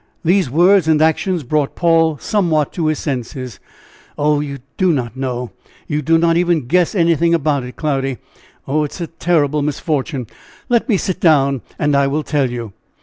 These words and actions brought Paul somewhat to his senses. "Oh! you do not know! you do not even guess anything about it, Cloudy! Oh, it is a terrible misfortune! Let me sit down and I will tell you!"